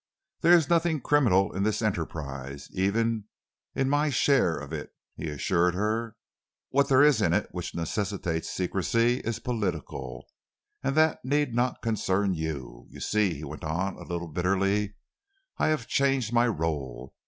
"There is nothing criminal in this enterprise even in my share of it," he assured her. "What there is in it which necessitates secrecy is political, and that need not concern you. You see," he went on, a little bitterly, "I have changed my role.